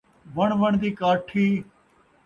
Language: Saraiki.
وݨ وݨ دی کاٹھی